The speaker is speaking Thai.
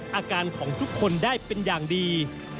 อาการของทุกคนได้เป็นอย่างดี